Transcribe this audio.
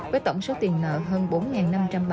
với tổng số tiền nợ hơn bốn năm trăm ba mươi